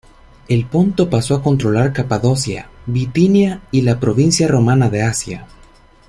El Ponto pasó a controlar Capadocia, Bitinia y la provincia romana de Asia.